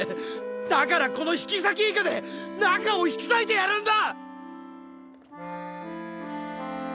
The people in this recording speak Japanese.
だからこの引きさきイカで仲を引きさいてやるんだ！